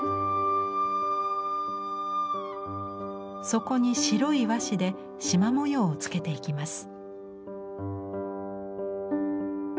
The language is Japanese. そこに白い和紙でしま模様をつけていきます。